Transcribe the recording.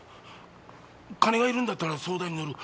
金がいるんだったら相談に乗る。